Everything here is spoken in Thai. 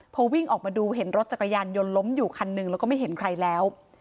พอวิ่งออกมาดูเห็นรถจักรยานยนต์ล้มอยู่คันหนึ่งแล้วก็ไม่เห็นใครแล้ว